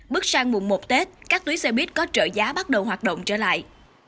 bước sang mùng một tết các tuyến xe buýt có trợ giá bắt đầu hoạt động trở lại